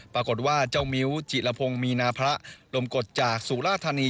ปรากฏว่าเจ้ามิ้วจิละพงศ์มีนาพระลมกฎจากสุราธานี